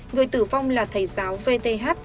người tử vong là thầy giáo vth